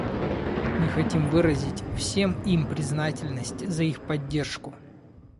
Мы хотим выразить всем им признательность за их поддержку.